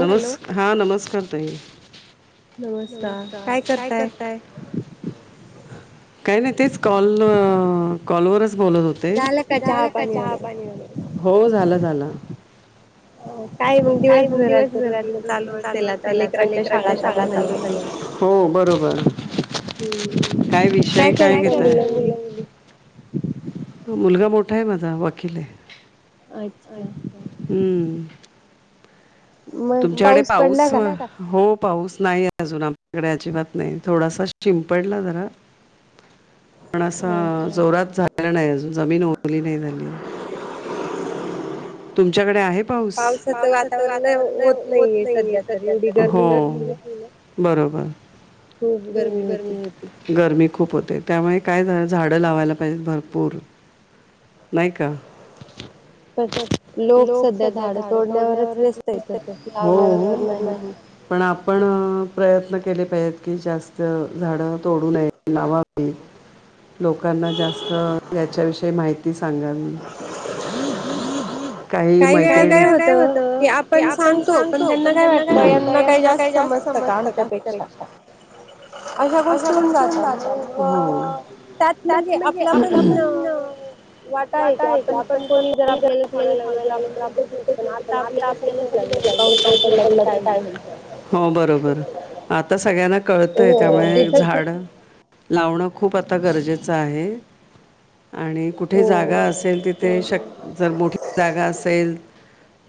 नमस् हा नमस्कार ताई. नमस्कार काय करतायं. काय नाही तेच कॉल कॉलवरचं. बोलत होते झालं का चहा पानी वगैरे, हो झालं झालं. काय मगं दिवसभराच रुटीन चालू असेल आता लेकरांच्या शाळा चालू झाल्या. हो बरोबर काय विषय काय घेतायं. मुलगा मोठा आहे माझा वकील आहे, हम्म. तुमच्याकडे पाऊस हो. पाऊस नाही अजून आमच्याकडे अजिबात नाही थोडासा शिंपडला जरा. पण असं जोरात झाला नाही अजून जमीन ओली नाही झाली आहे. [inaudible] तुमच्याकडे आहे पाऊस पाऊसाचं वातावरण. होत नाहीे सध्या तरी हो बरोबर. खूप गर्मी होती. गरमी खूप होते त्यामुळे काय झा झाडं लावायला पाहिजेत भरपूर. नाही का लोक सध्या झाडं तोडण्यावरचं. हो पण आपण प्रयत्न केले पाहिजेतं. न जास्त झाड तोडू नये लावावीत. लोकांना जास्त याच्याविषयी माहिती सांगावी. हम्. काही महिती काही वेळा काय होतं. की आपण सांगतो पण त्यांना काय वाटत यांना काय जास्त समजतं का आमच्या पेक्षा. अशा गोष्टी होऊन जातात. हम. त्यात म्हणजे आता पण अ अ वाटा आहे त्या आपण पण आपल्याला सांगायला लागलं तर आपण पण आता हो बरोबर. आता सगळ्यांना कळतंय त्यामुळे झाड लावणं खूप आता गरजेचं आहे आणि कुठे जागा असेल तिथे शक जर मोठी जागा असेल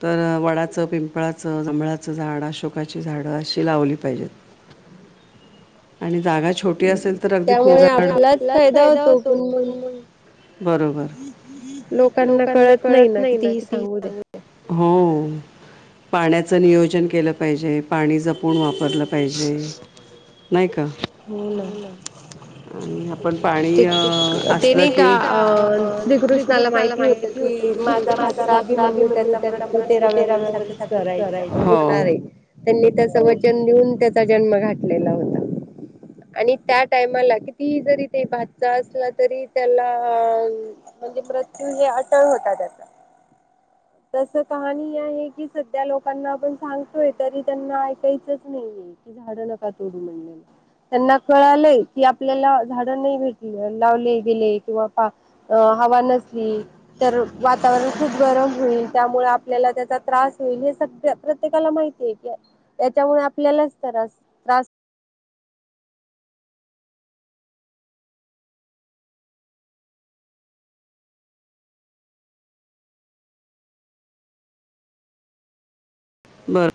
तर वड्या पिंपळाचं जमळाचं झाड अशोकाची झाडं अशी लावली पाहिजेत आणि जागा छोटी असेल तर अगदी फुल झा आपला फायदा होतो बरोबर लोकांना कळत नाही ना किती चांगली हो पाण्याचं नियोजन केलं पाहिजे पाणी जपून वापरलं पाहिजे नाही का हो ना ते ते नाही का अ श्रीकृष्णाला माहिती होत माझा भातभी म्हणू त्याचा प्रत्युरा वगरेातच करायचं होणार आहे त्यांनी त्याचं वचन देऊन त्याचा जन्म घातलेला होता आणि त्या टायमाला किती जरी ते भाजचा असला तरी त्याला म्हणजे मृत्यू हे अटळ होता त्याचा तस कहाणी आहे की सध्या लोकांना आपण सांगतोय तरी त्यांना ऐकायचंच नाहीे झाडं नका तोडू म्हंडल त्यांना कळालंय की आपल्याला झाडं नाही भेटले लावले गेले किंवा पा हवा नसली तर वातावरण खूप गरम होईल त्यामुळे आपल्याला त्याचा त्रास होईल प्रत्येकाला माहितीय की याच्यामुळे आपल्यालाच तास त्रास बरं